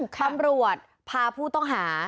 ตำรวจพาผู้ต้องหา